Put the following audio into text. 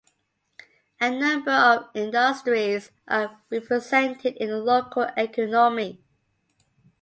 A number of industries are represented in the local economy.